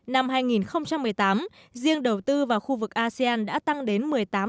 năm hai nghìn một mươi tám riêng đầu tư vào khu vực asean đã tăng đến một mươi tám